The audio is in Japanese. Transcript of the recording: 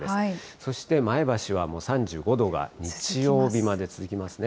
そして前橋はもう３５度が日曜日まで続きますね。